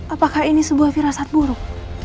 apakah ini sebuah firasat buruk